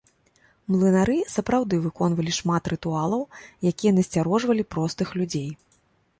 Млынары сапраўды выконвалі шмат рытуалаў, якія насцярожвалі простых людзей.